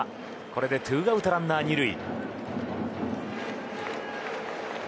これでツーアウトランナー２塁。